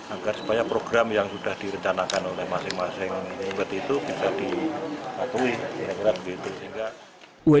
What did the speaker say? agar supaya program yang sudah direncanakan oleh masing masing umpet itu bisa dilakui